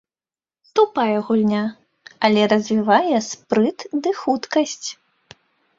Тупая гульня, але развівае спрыт ды хуткасць.